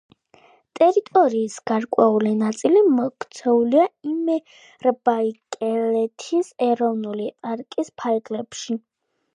ტერიტორიის გარკვეული ნაწილი მოქცეულია იმიერბაიკალეთის ეროვნული პარკის ფარგლებში.